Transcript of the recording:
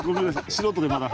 素人でまだ。